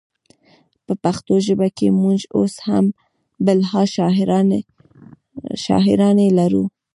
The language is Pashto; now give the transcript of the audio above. په پښتو ژبه کې مونږ اوس هم بلها شاعرانې لرو